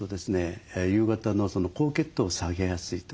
夕方の高血糖を下げやすいと。